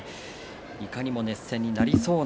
いかにも熱戦になりそうな